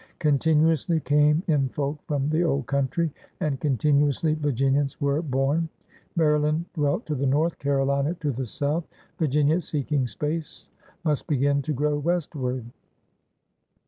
Continuously came in folk from the Old Country, and continuously Virginians were 226 PIONEERS OP THE OLD SOUTH bom. Maryland dwelt to the north, Carolina to the south. Virginia, seeking space, must begin to grow westward.